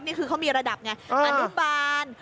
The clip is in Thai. นี่คือเขามีระดับไงอนุบาล